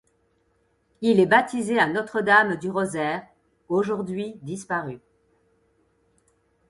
Il est baptisé à Notre Dame du Rosaire, aujourd'hui disparue.